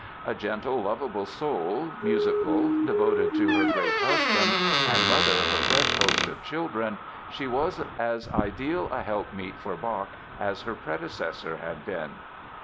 A gentle, lovable soul, musical, devoted to her great husband and the mother of a fresh host of children, she was as ideal a helpmeet for Bach as her predecessor had been.